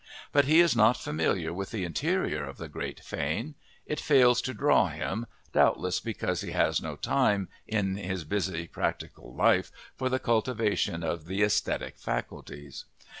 But he is not familiar with the interior of the great fane; it fails to draw him, doubtless because he has no time in his busy, practical life for the cultivation of the aesthetic faculties.